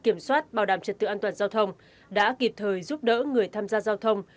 kiểm soát bảo đảm trật tự an toàn giao thông đã kịp thời giúp đỡ người tham gia giao thông